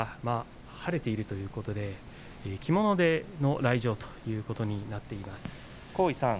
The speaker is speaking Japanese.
晴れているので着物で来場ということになっています。